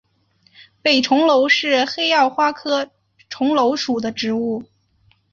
北重楼是黑药花科重楼属的植物。